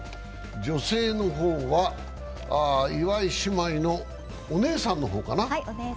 女性の方は岩井姉妹のお姉さんの方かな。